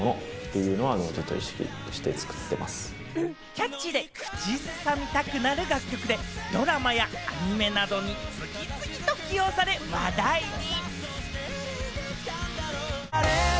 キャッチーで口ずさみたくなる楽曲で、ドラマやアニメなどに次々と起用され話題に。